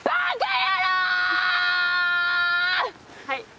はい。